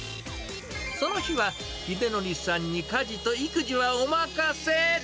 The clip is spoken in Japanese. その日は、ひでのりさんに家事と育児はお任せ。